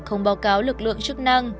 không báo cáo lực lượng chức năng